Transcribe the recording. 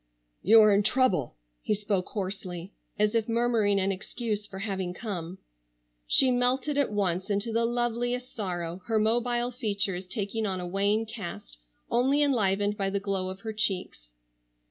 "You are in trouble," he spoke hoarsely, as if murmuring an excuse for having come. She melted at once into the loveliest sorrow, her mobile features taking on a wan cast only enlivened by the glow of her cheeks.